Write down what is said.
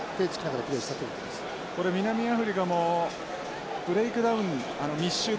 これ南アフリカもブレークダウン密集ですね。